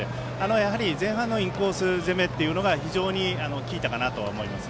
前半のインコース攻めが非常に効いたかなと思います。